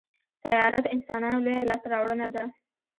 طیاره د انسانانو لویه لاسته راوړنه ده.